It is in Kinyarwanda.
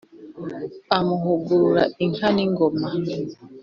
Amuhungura inka n’ingoma,